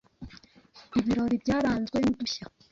ibirori byaranzwe n’udushya